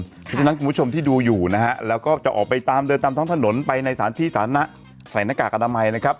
เพราะฉะนั้นคุณผู้ชมที่ดูอยู่นะฮะแล้วก็จะออกไปตามเดินตามท้องถนนไปในสถานที่สาธารณะใส่หน้ากากอนามัยนะครับ